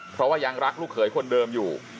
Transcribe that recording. เพราะว่ายังรักลูกเขยคนเดิมอยู่